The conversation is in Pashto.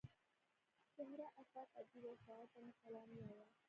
شهره آفاق ادیب او شاعر ته مې سلام ووايه.